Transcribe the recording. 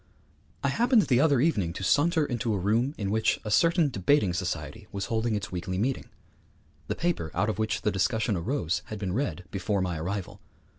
I happened the other evening to saunter into a room in which a certain debating society was holding its weekly meeting. The paper out of which the discussion arose had been read before my arrival.